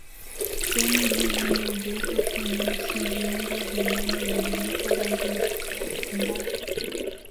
Sehemu iliyovimba hugeuka kuwa nyeusi viungo vya ndani hubadilika rangi na kutoa harufu mbaya